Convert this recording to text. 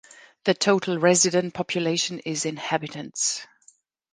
The total resident population is inhabitants.